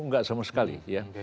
tidak sama sekali yah